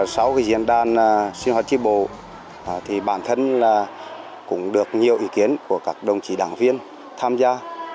sau diễn đàn sinh hoạt tri bộ bản thân cũng được nhiều ý kiến của các đồng chí đảng viên tham gia